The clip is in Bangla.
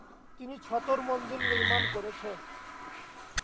তিনি ছতর মঞ্জিল নির্মাণ করেছেন।